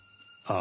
あ。